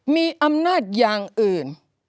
มีอำนาจอย่างอื่น